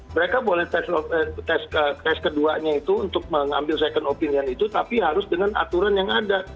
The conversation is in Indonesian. mereka boleh tes keduanya itu untuk mengambil second opinion itu tapi harus dengan aturan yang ada